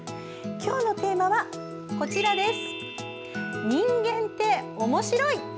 今日のテーマは「人間っておもしろい！」。